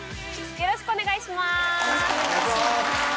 よろしくお願いします。